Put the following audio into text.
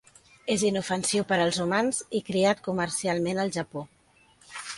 És inofensiu per als humans i criat comercialment al Japó.